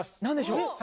何でしょう？